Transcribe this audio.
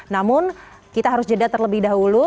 namun kita harus jeda terlebih dahulu